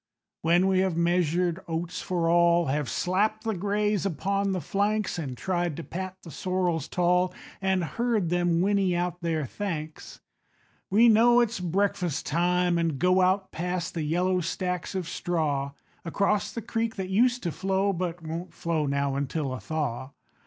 When we have measured oats for all, Have slapped the grays upon the flanks, An' tried to pat the sorrels tall, An' heard them whinny out their thanks, We know it's breakfast time, and go Out past the yellow stacks of straw, Across the creek that used to flow, But won't flow now until a thaw.